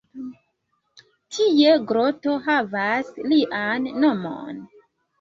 Tie groto havas lian nomon.